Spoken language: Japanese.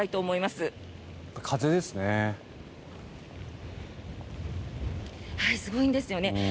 すごいんですよね。